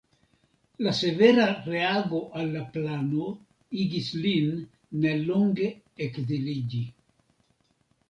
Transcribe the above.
La severa reago al la plano igis lin nelonge ekziliĝi.